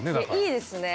いいですね。